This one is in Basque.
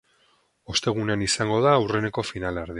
Ostegunean izango da aurreneko finalerdia.